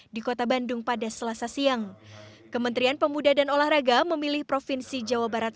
di kota bandung pada selasa siang kementerian pemuda dan olahraga memilih provinsi jawa barat